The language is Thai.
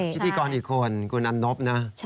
พิธีกรอีกคนคุณอันนบนะ